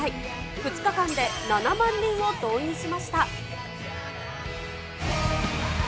２日間で７万人を動員しました。